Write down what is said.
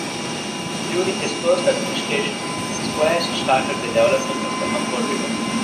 During his first administration, Squires started the development of the Humber River.